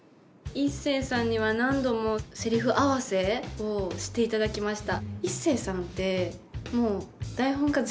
一生さんには何度もせりふ合わせをしていただきました。